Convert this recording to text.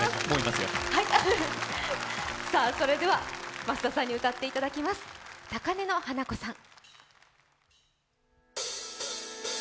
それでは増田さんに歌っていただきます、「高嶺の花子さん」。